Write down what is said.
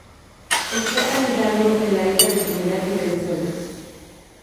Está anidando en la isla de Trinidad y Venezuela.